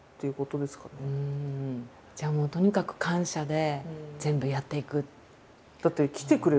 じゃあもうとにかく感謝で全部やっていく。